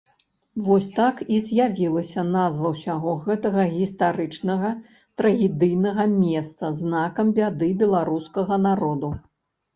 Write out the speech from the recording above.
Вось так і з'явілася назва ўсяго гэтага гістарычнага трагедыйнага месца, знакам бяды беларускага народу.